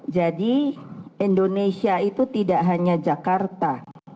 jadi indonesia itu tidak hanya jakarta